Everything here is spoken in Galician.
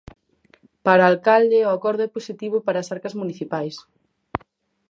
Para o alcalde, o acordo é positivo para as arcas municipais.